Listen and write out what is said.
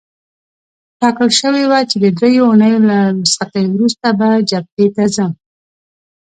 ټاکل شوې وه چې د دریو اونیو له رخصتۍ وروسته به جبهې ته ځم.